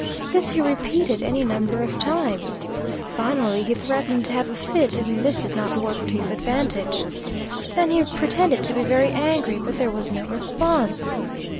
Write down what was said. This he repeated any number of times. Finally, he threatened to have a fit; even this did not work to his advantage. Then he pretended to be very angry, but there was no response.